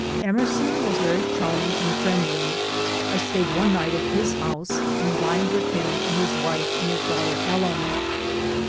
Emerson was very charming and friendly. I stayed one night at his house and dined with him and his wife and his daughter Ellen.